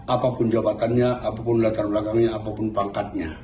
apapun jabatannya apapun latar belakangnya apapun pangkatnya